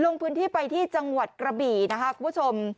ลงพื้นที่ไปที่จังหวัดกระบี่นะคะคุณผู้ชม